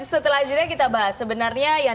setelah jeda kita bahas sebenarnya yang